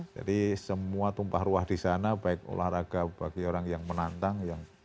jadi semua tumpah ruah di sana baik olahraga bagi orang yang menantang